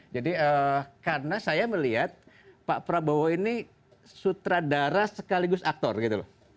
jadi karena saya melihat pak prabowo ini sutradara sekaligus aktor gitu loh